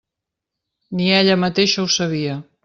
Ni ella mateixa ho sabia.